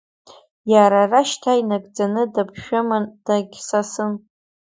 Иара ара шьҭа инагӡаны даԥшәыман, дагьсасын.